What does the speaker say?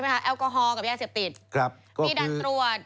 แอลกอฮอกับแยกเสียบติด